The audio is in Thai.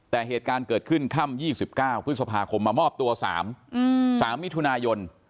แต่เหตุการณ์เกิดขึ้นค่ำ๒๙พฤษภาคมมามอบตัว๓มิถุนายน